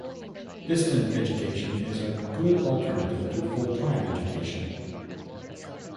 Distant education is a good alternative to full-time education.